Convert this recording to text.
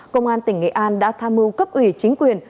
công an tỉnh nghệ an đã tham mưu cấp ủy chính quyền